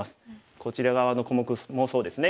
こちら側の小目もそうですね。